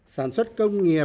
sản xuất công nghiệp